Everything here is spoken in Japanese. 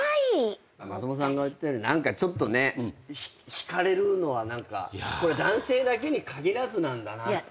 松本さんが言ったように何かちょっと引かれるのは男性だけに限らずなんだなって。